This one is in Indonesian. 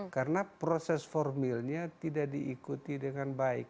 karena proses formilnya tidak diikuti dengan baik